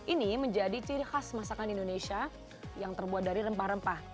ini menjadi ciri khas masakan indonesia yang terbuat dari rempah rempah